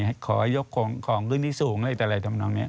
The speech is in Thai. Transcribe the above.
ขอยกของขึ้นที่สูงแต่อะไรทำนองนี้